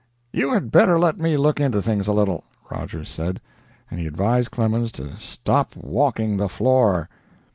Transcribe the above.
"You had better let me look into things a little," Rogers said, and he advised Clemens to "stop walking the floor."